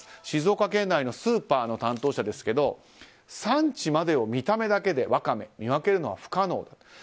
静岡県内のスーパーの担当者ですけど山地までを見た目だけでワカメを見分けるのは不可能だと。